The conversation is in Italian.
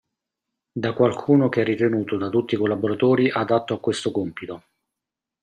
Da qualcuno che è ritenuto da tutti i collaboratori adatto a questo compito.